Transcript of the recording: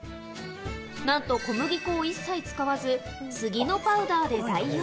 なんと小麦粉を一切使わず、スギのパウダーで代用。